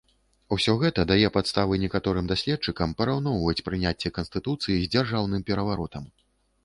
Усё гэта дае падставы некаторым даследчыкам параўноўваць прыняцце канстытуцыі з дзяржаўным пераваротам.